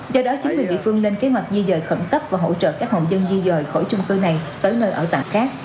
do đó chính quyền địa phương lên kế hoạch di dời khẩn cấp và hỗ trợ các hộ dân di dời khỏi trung cư này tới nơi ở tạm khác